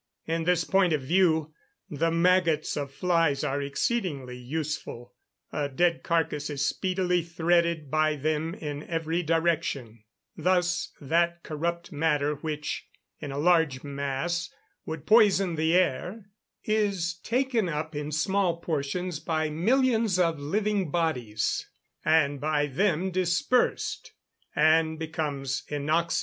In this point of view the maggots of flies are exceedingly useful; a dead carcass is speedily threaded by them in every direction; thus that corrupt matter which, in a large mass, would poison the air, is taken up in small portions by millions of living bodies, and by them dispersed, and becomes innoxious.